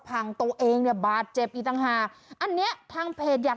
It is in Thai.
พังตัวเองเนี่ยบาดเจ็บอีกต่างหากอันเนี้ยทางเพจอยาก